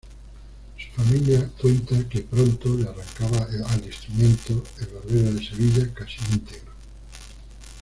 Su familia cuenta que pronto le arrancaba al instrumento "El Barbero de Sevilla"casi íntegro.